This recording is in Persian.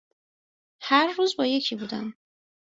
هر روز با یکی بودم